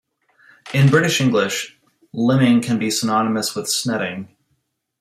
In British English, limbing can be synonymous with snedding.